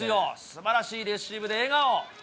すばらしいレシーブで、笑顔。